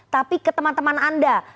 tapi ke teman teman anda